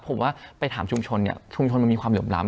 ผมว่าไปถามชุมชนเนี่ยชุมชนมันมีความเหลื่อมล้ำ